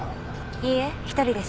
いいえ１人です。